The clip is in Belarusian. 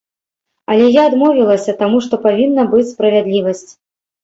Але я адмовілася, таму што павінна быць справядлівасць.